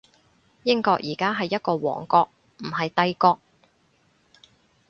英國而家係一個王國，唔係帝國